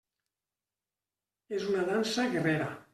És una dansa guerrera.